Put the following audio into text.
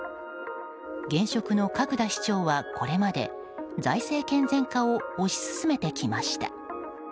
現職の角田市長はこれまで財政健全化を推し進めてきました。